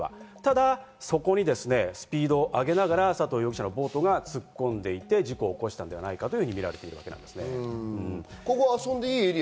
ただ、そこにスピードを上げながら佐藤容疑者のボートが突っ込んでいって、事故を起こしたんじゃないかと見られているわけです。